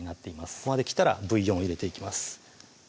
ここまできたらブイヨンを入れていきます